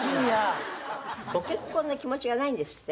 ご結婚の気持ちがないんですって？